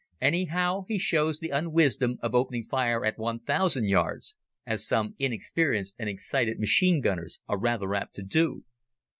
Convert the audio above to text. Anyhow he shows the unwisdom of opening fire at 1,000 yards, as some inexperienced and excited machine gunners are rather apt to do.